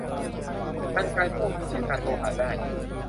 กรรไกรพวกนี้ใช้ตัดโลหะได้